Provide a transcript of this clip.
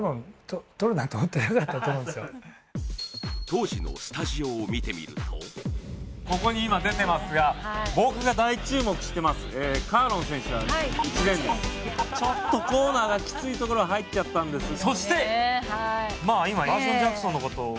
当時のスタジオを見てみるとここに今出てますが僕が大注目してますカーロン選手は１レーンですちょっとコーナーがキツいところ入っちゃったんです。